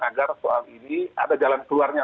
agar soal ini ada jalan keluarnya